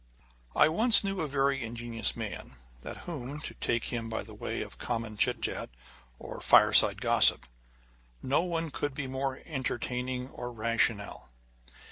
I once knew a very ingenious man, than whom, to take him in the way of common chit chat or fire side gossip, no one could be more entertaining or rational.